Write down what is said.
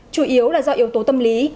chủ yếu là do yếu tố tâm lý